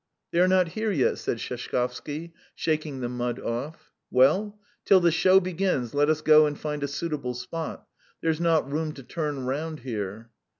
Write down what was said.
"They are not here yet," said Sheshkovsky, shaking the mud off. "Well? Till the show begins, let us go and find a suitable spot; there's not room to turn round here."